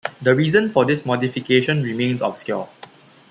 The reason for this modification remains obscure.